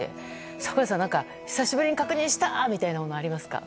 櫻井さん、久しぶりに確認したみたいなものありますか？